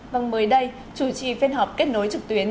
vâng mới đây chủ trì phiên họp kết nối trực tuyến